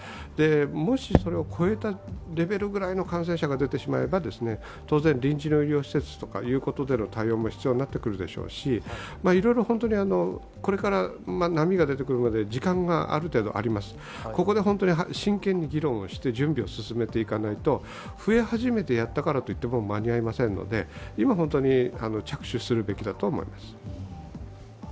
もしそれを超えたレベルぐらいの感染者が出てしまえば、当然、臨時の医療施設での対応も必要になってくるでしょうしいろいろ本当にこれから波が出てくるまで時間がある程度あります、ここで本当に真剣に議論をして準備を進めていかないと増え始めてやったからといって間に合いませんので今、本当に着手するべきだと思います。